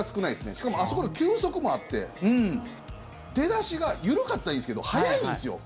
しかも、あそこで球速もあって出だしが緩かったらいいんですけど速いんですよ。